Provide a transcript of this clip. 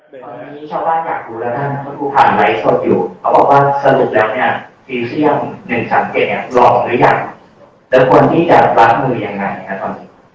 บ๊วยชาวบ้านอยากรู้นะครับว่าผ่านไลฟ์สดอยู่เขาบอกว่าสรุปแล้วตีเชี่ยว๑๓๐รอบหรือยัง